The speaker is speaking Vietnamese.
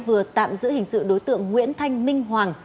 vừa tạm giữ hình sự đối tượng nguyễn thanh minh hoàng